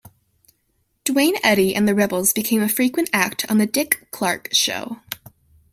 Duane Eddy and the Rebels became a frequent act on The Dick Clark Show.